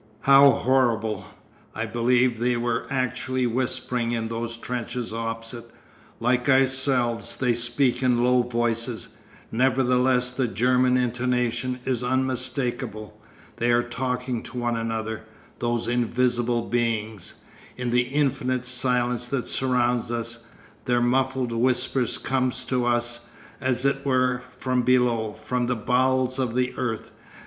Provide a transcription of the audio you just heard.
How horrible! I believe they were actually whispering in those trenches opposite. Like ourselves they speak in low voices; nevertheless the German intonation is unmistakable. They are talking to one another, those invisible beings. In the infinite silence that surrounds us, their muffled whispers come to us, as it were, from below, from the bowels of the earth.